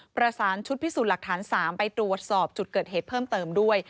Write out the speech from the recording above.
ประสานชุดพิสูจน์หลักฐาน๓ไปตรวจสอบจุดเกิดเหตุเพิ่มเติมด้วย